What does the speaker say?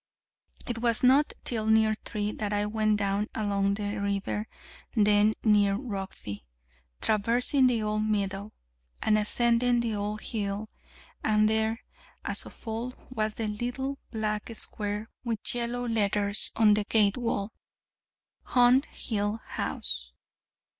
It was not till near three that I went down along the river, then, near Rokeby, traversing the old meadow, and ascending the old hill: and there, as of old, was the little black square with yellow letters on the gate wall: HUNT HILL HOUSE.